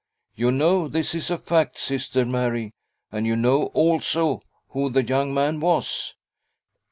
You know this is a fact, Sister Mary, and you know also who the young man was.